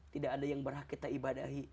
tidak ada yang berhak kita ibadahi